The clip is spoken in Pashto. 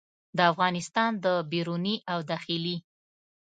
د افغانستان د بیروني او داخلي